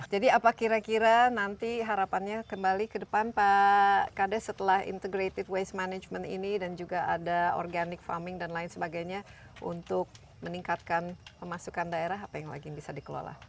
jadi apa kira kira nanti harapannya kembali ke depan pak kade setelah integrative waste management ini dan juga ada organic farming dan lain sebagainya untuk meningkatkan pemasukan daerah apa yang lagi bisa dikelola